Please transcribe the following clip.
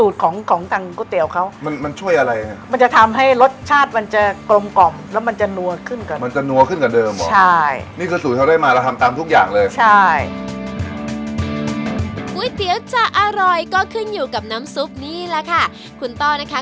ได้เลยค่ะได้เลยค่ะ